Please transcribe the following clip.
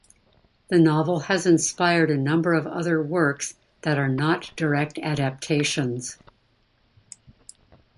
The novel has inspired a number of other works that are not direct adaptations.